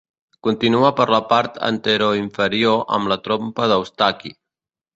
Continua per la part anteroinferior amb la trompa d'Eustaqui.